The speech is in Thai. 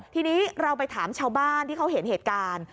ทีนี้เราไปถามชาวบ้านที่เขาเห็นเหตุการณ์